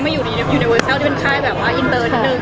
แม้อยู่ในยูนิเวอร์เซลที่เป็นค่ายอินเตอร์นิดนึง